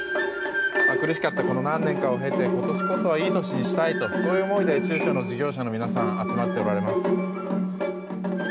苦しかったこの何年かを経て今年こそは、いい年にしたいとそういう思いで中小の事業者の皆さん集まっておられます。